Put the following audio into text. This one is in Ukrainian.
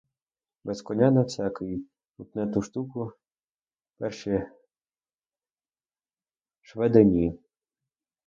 Без коня не всякий утне ту штуку, перші шведи ні.